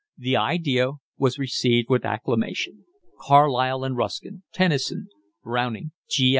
The idea was received with acclamation. Carlyle and Ruskin, Tennyson, Browning, G.